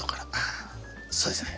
そうですね。